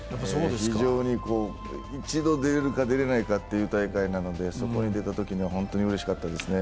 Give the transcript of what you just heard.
非常に一度出れるか出れないかという大会なのでそこに出たときには本当にうれしかったですね。